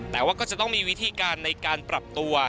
แต่ว่าก็จะต้องมีวิธีการในการปรับตัว